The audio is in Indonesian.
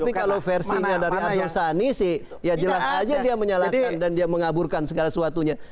tapi kalau versinya dari arsul sani sih ya jelas aja dia menyalahkan dan dia mengaburkan segala sesuatunya